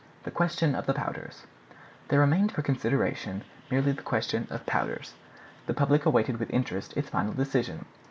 THE QUESTION OF THE POWDERS There remained for consideration merely the question of powders. The public awaited with interest its final decision.